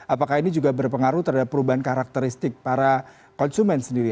apakah ini juga berpengaruh terhadap perubahan karakteristik para konsumen sendiri